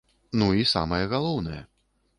Ну і самае галоўнае.